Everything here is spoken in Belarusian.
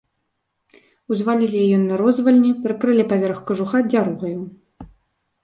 Узвалілі яе на розвальні, прыкрылі паверх кажуха дзяругаю.